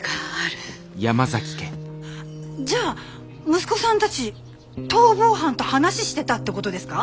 じゃあ息子さんたち逃亡犯と話ししてたってことですか？